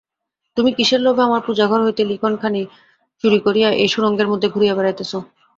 তুমি কিসের লোভে আমার পূজাঘর হইতে লিখনখানি চুরি করিয়া এই সুরঙ্গের মধ্যে ঘুরিয়া বেড়াইতেছ।